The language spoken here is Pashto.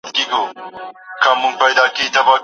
غوږونه دې د حقیقت اوریدلو لپاره خلاص کړه.